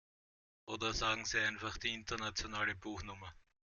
Oder sagen Sie einfach die internationale Buchnummer.